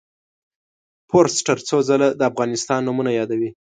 فورسټر څو څو ځله د افغانستان نومونه یادوي.